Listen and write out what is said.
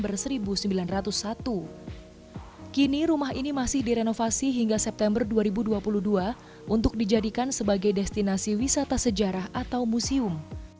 pada tahun seribu sembilan ratus satu rumah ini masih direnovasi hingga september dua ribu dua puluh dua untuk dijadikan sebagai destinasi wisata sejarah atau museum